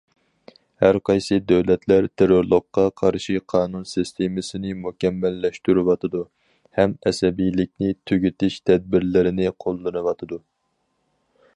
ھەر قايسى دۆلەتلەر تېررورلۇققا قارشى قانۇن سىستېمىسىنى مۇكەممەللەشتۈرۈۋاتىدۇ ھەم‹‹ ئەسەبىيلىكنى تۈگىتىش›› تەدبىرلىرىنى قوللىنىۋاتىدۇ.